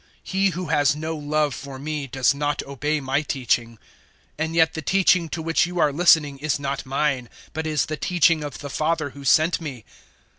014:024 He who has no love for me does not obey my teaching; and yet the teaching to which you are listening is not mine, but is the teaching of the Father who sent me.